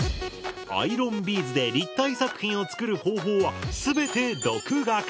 アイロンビーズで立体作品を作る方法は全て独学。